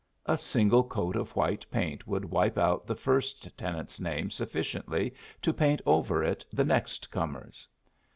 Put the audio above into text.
A single coat of white paint would wipe out the first tenant's name sufficiently to paint over it the next comer's.